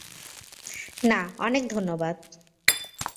না, অনেক ধন্যবাদ।